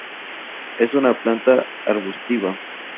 Es una planta arbustiva.